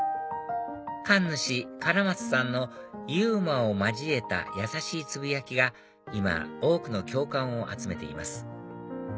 神主唐松さんのユーモアを交えた優しいつぶやきが今多くの共感を集めています